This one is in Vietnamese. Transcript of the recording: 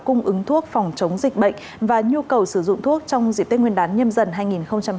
cung ứng thuốc phòng chống dịch bệnh và nhu cầu sử dụng thuốc trong dịp tết nguyên đán nhâm dần hai nghìn hai mươi bốn